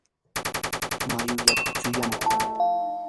mayu yaku chuyam.